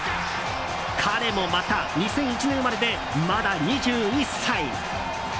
彼もまた２００１年生まれでまだ２１歳。